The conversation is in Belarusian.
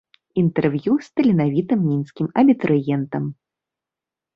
Інтэрв'ю з таленавітым мінскім абітурыентам.